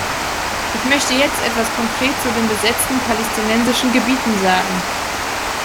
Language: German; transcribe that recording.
Ich möchte jetzt etwas konkret zu den besetzten palästinensischen Gebieten sagen.